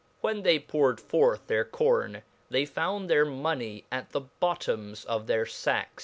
When they poured forth then corne, they found their money at the bottoms of their fack?